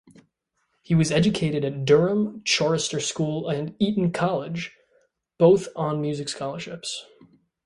He was educated at Durham Chorister School and Eton College, both on music scholarships.